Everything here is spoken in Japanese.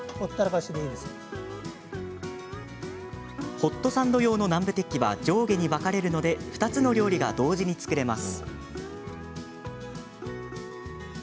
ホットサンド用の南部鉄器は上下に分かれるので２つの料理が同時に作れます。